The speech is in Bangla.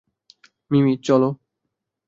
মিমি, চলো।